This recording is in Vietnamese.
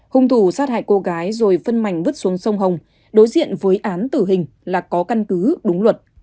hung thủ sát hại cô gái rồi phân mảnh vứt xuống sông hồng đối diện với án tử hình là có căn cứ đúng luật